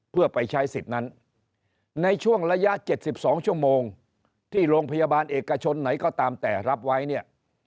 เพื่อไปใช้สิทธิ์นั้นในช่วงระยะ๗๒ชั่วโมงที่โรงพยาบาลเอกชนไหนก็ตามแต่รับไว้เนี่ย